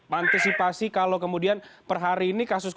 pantesipasi kalau kemudian per hari ini kan pak